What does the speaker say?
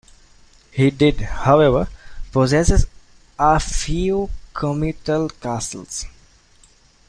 He did, however, possess a few comital castles.